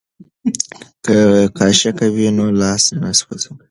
که قاشقه وي نو لاس نه سوځي.